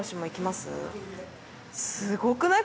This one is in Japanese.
すごくない？